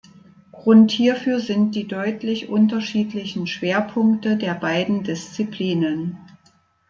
Grund hierfür sind die deutlich unterschiedlichen Schwerpunkte der beiden Disziplinen.